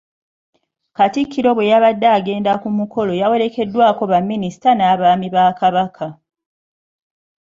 Katikkiro bwe yabadde agenda ku mukolo yawerekeddwako Baminisita n'Abaami ba Kabaka.